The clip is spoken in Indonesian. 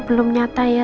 belum nyata ya